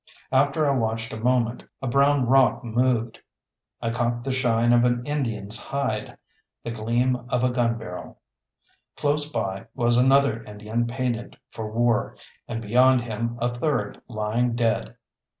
After I watched a moment a brown rock moved; I caught the shine of an Indian's hide, the gleam of a gun barrel. Close by was another Indian painted for war, and beyond him a third lying dead.